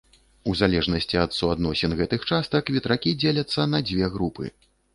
У залежнасці ад суадносін гэтых частак ветракі дзеляцца на дзве групы.